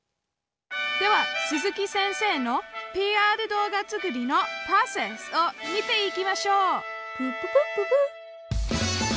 では鈴木先生の「ＰＲ動画作りのプロセス」を見ていきましょう。